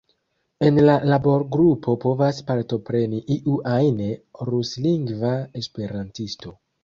En la laborgrupo povas partopreni iu ajn ruslingva esperantisto.